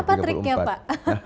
apa triknya pak